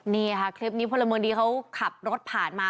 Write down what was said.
นี่ค่ะคลิปนี้พลเมืองดีเขาขับรถผ่านมา